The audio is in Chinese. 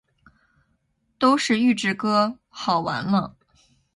都是预制歌，好完了